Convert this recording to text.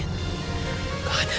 untuk hamba saya